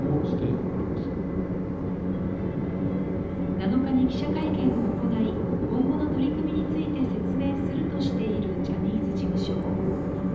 ７日に記者会見を行い、今後の取り組みについて説明するとしているジャニーズ事務所。